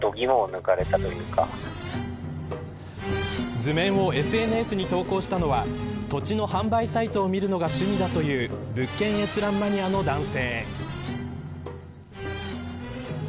図面をＳＮＳに投稿したのは土地の販売サイトを見るのが趣味だという物件閲覧マニアの男性。